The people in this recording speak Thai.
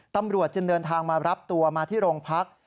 ตำรวจจึงเดินทางมารับตัวมาที่โรงพัก